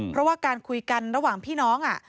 เพราะว่าการคุยกันระหว่างพี่น้อง